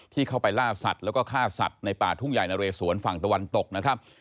เข้าไปล่าสัตว์แล้วก็ฆ่าสัตว์ในป่าทุ่งใหญ่นะเรสวนฝั่งตะวันตกนะครับ